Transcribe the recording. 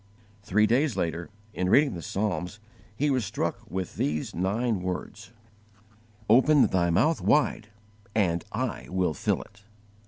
Three days later, in reading the Psalms, he was struck with these nine words: "OPEN THY MOUTH WIDE, AND I WILL FILL IT."